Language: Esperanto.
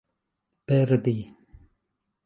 perdi